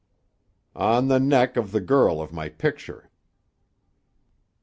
"On the neck of the girl of my picture."